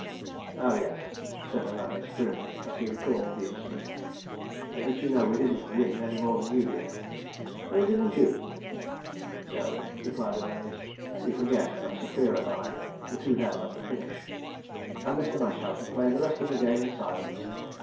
"Oh yes," said Ananias grimly, as he recalled the incident. "But you know we didn't win any more than you did." "Oh, didn't you?" asked Munchausen. "No," replied Ananias. "You forget that Sapphira and I were two down at the finish." And Mr. Munchausen played the rest of the game in silence.